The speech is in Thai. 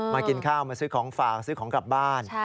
กินข้าวมาซื้อของฝากซื้อของกลับบ้าน